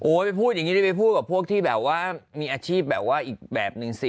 โอ๊ยไปพูดกับพวกที่มีอาชีพอีกแบบหนึ่งสิ